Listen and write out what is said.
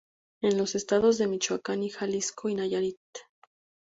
En los estados de Michoacán, Jalisco y Nayarit.